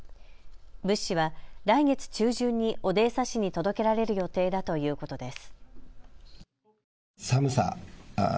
物資は来月中旬にオデーサ市に届けられる予定だということです。